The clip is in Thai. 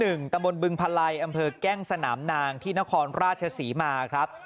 ขึ้นที่หมู่บ้านหัวบึงหมู่ที่๑ตะบนบึงพลัยอำเภอแก้งสนามนางที่นครราชศรีมาครับ